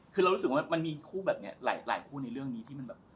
คือเรารู้สึกว่ามันมีคู่แบบนี้หลายคู่ในเรื่องนี้ที่มันแบบ